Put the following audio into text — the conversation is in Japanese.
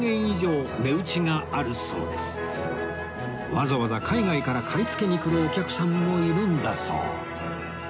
わざわざ海外から買い付けに来るお客さんもいるんだそう